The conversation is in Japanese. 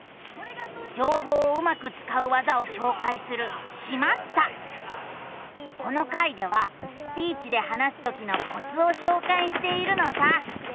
じょうほうをうまくつかう技をしょうかいするこの回ではスピーチで話すときのコツをしょうかいしているのさ。